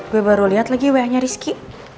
gue baru liat lagi wa nya rizky